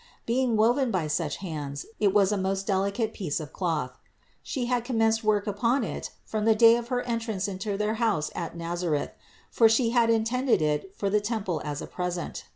Being woven by such hands, it was a most delicate piece of cloth. She had commenced work upon it from the day of her entrance into their house at Nazareth ; for She had intended it for the temple as a present.